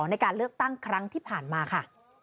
ในการเลือกตั้งครั้งที่ผ่านมาค่ะ